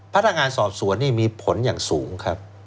พนักงานสอบสวนนี่มีผลอย่างสูงครับ